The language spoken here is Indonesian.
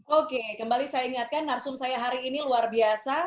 oke kembali saya ingatkan narsum saya hari ini luar biasa